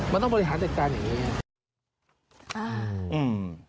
มันต้องบริหารจัดการอย่างนี้